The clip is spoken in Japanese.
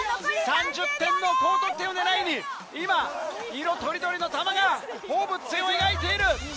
３０点の高得点を狙いに今色とりどりの玉が放物線を描いている！